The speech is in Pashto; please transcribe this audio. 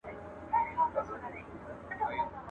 لا تیاره وه په اوږو یې ساه شړله.